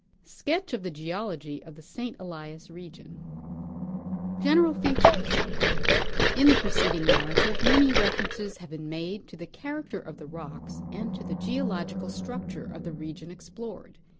SKETCH OF THE GEOLOGY OF THE ST. ELIAS REGION. General Features. Ill the preceding narrative, many references have been made to the character of the rocks and to the geological structure of the region explored.